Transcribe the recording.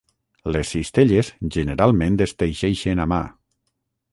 Les cistelles generalment es teixeixen a mà.